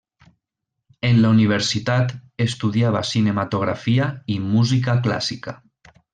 En la universitat, estudiava cinematografia i música clàssica.